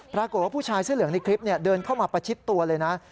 ผู้ชายเสื้อเหลืองในคลิปเดินเข้ามาประชิดตัวเลยนะ